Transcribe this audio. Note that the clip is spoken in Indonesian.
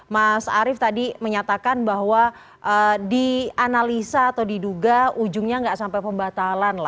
mas arief tadi menyatakan bahwa dianalisa atau diduga ujungnya nggak sampai pembatalan